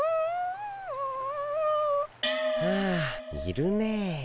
ああいるね。